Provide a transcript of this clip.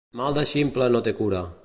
Mal de ximple no té cura.